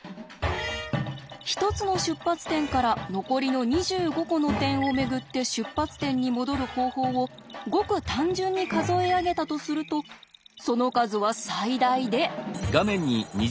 １つの出発点から残りの２５個の点を巡って出発点に戻る方法をごく単純に数え上げたとするとその数は最大で。